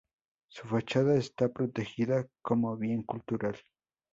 Su fachada está protegida como "Bien Cultural".